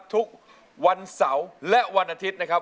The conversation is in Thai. ทุกวันเสาร์และวันอาทิตย์นะครับ